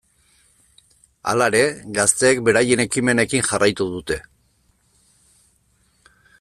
Hala ere, gazteek beraien ekimenekin jarraitu dute.